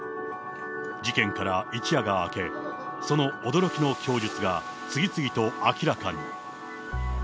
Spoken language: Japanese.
事件から一夜が明け、その驚きの供述が次々と明らかに。